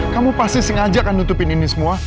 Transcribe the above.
kamu pasti sengaja akan nutupin ini semua